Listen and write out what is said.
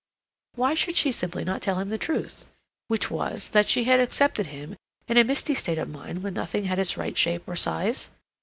Why should she not simply tell him the truth—which was that she had accepted him in a misty state of mind when nothing had its right shape or size?